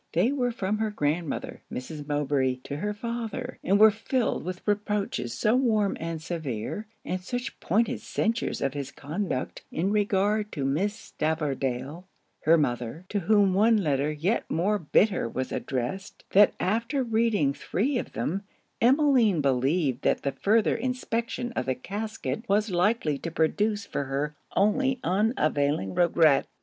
They were from her grandmother, Mrs. Mowbray, to her father; and were filled with reproaches so warm and severe, and such pointed censures of his conduct in regard to Miss Stavordale, her mother, to whom one letter yet more bitter was addressed, that after reading three of them, Emmeline believed that the further inspection of the casket was likely to produce for her only unavailing regret.